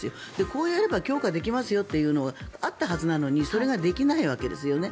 こうやれば強化できますよというのがあったはずなのにそれができないわけですよね。